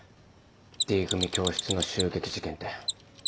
Ｄ組教室の襲撃事件って。